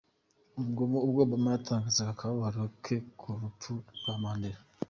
Ubwo Obama yatangazaga akababaro ke ku rupfu rwa Mandela.